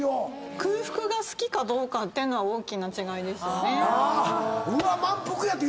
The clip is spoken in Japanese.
空腹が好きかどうかっていうのは大きな違いですよね。